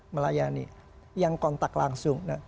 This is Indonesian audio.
melayani yang kontak langsung